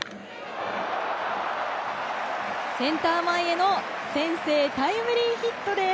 センター前への先制タイムリーヒットです。